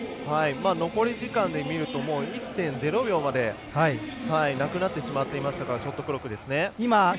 残り時間で見ると１．０秒までなくなってしまっていましたからショットクロックですね。